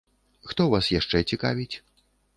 Хто вас яшчэ цікавіць?